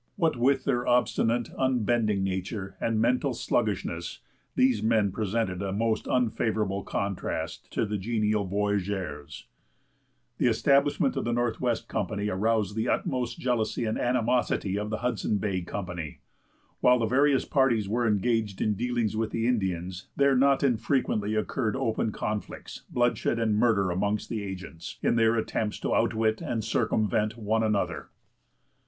What with their obstinate, unbending nature, and mental sluggishness, these men presented a most unfavorable contrast to the genial voyageurs. The establishment of the Northwest Company aroused the utmost jealousy and animosity of the Hudson Bay Company. While the various parties were engaged in dealings with the Indians, there not infrequently occurred open conflicts, bloodshed, and murder among the agents, in their attempts to outwit and circumvent one another.